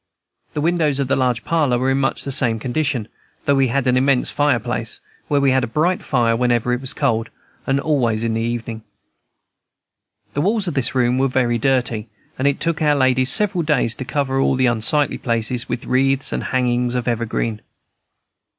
The windows of the large parlor were in much the same condition, though we had an immense fireplace, where we had a bright fire whenever it was cold, and always in the evening. The walls of this room were very dirty, and it took our ladies several days to cover all the unsightly places with wreaths and hangings of evergreen.